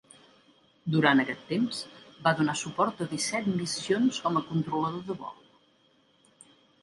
Durant aquest temps, va donar suport a disset missions com a controlador de vol.